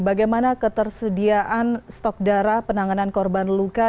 bagaimana ketersediaan stok darah penanganan korban luka